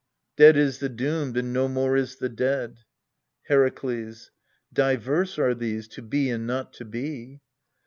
Dead is the doomed, and no more is the dead. Herakles. Diverse are these to be and not to be.